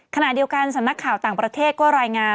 ขณะเดียวกันสำนักข่าวต่างประเทศก็รายงาน